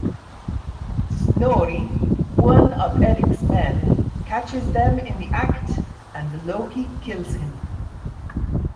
Snorri, one of Erik's men, catches them in the act, and Loki kills him.